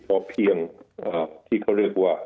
พอเพียงที่เขาเรียกว่า